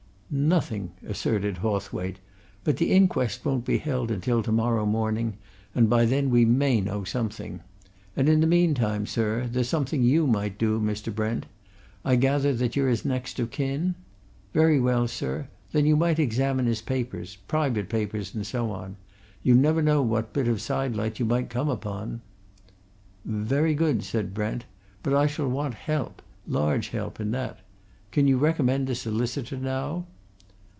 "Nothing!" asserted Hawthwaite. "But the inquest won't be held until to morrow morning, and by then we may know something. And, in the meantime, there's something you might do, Mr. Brent I gather that you're his next of kin? Very well, sir, then you might examine his papers private papers and so on. You never know what bit of sidelight you might come upon." "Very good," said Brent. "But I shall want help large help in that. Can you recommend a solicitor, now?"